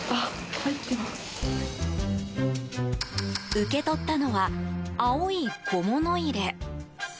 受け取ったのは青い小物入れ。